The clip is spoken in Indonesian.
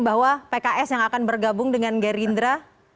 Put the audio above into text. bahwa pks yang akan bergabung dengan gerindra